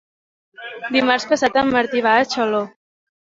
Demà passat en Martí va a Xaló.